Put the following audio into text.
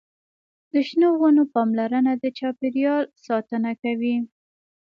د شنو ونو پاملرنه د چاپیریال ساتنه کوي.